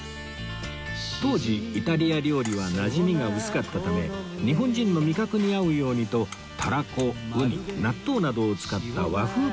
当時イタリア料理はなじみが薄かったため日本人の味覚に合うようにとたらこうに納豆などを使った和風パスタを考案